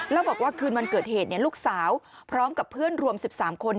แล้วบอกว่าคืนวันเกิดเหตุลูกสาวพร้อมกับเพื่อนรวม๑๓คน